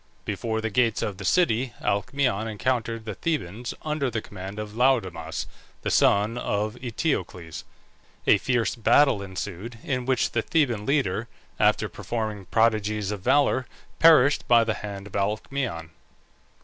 Before the gates of the city Alcmaeon encountered the Thebans under the command of Laodamas, the son of Eteocles. A fierce battle ensued, in which the Theban leader, after performing prodigies of valour, perished by the hand of Alcmaeon.